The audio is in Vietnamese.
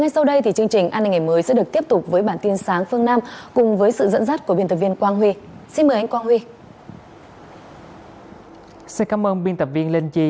xin cảm ơn biên tập viên linh chi